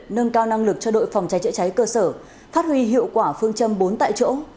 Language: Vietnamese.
nâng cao năng lực cho đội phòng cháy chữa cháy cơ sở phát huy hiệu quả phương châm bốn tại chỗ